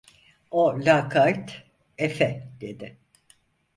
O lakayt: - Efe, dedi.